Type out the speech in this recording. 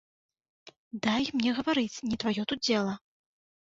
Дай мне гаварыць, не тваё тут дзела!